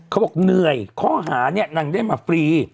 เขาบอกเหนื่อยข้อหาเนี่ยนางได้มาฟรี